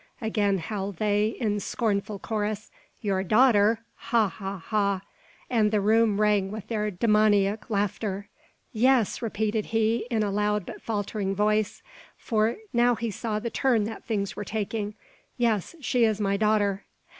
again howled they, in scornful chorus; "your daughter! Ha! ha! ha!" and the room rang with their demoniac laughter. "Yes!" repeated he, in a loud but faltering voice, for he now saw the turn that things were taking. "Yes, she is my daughter."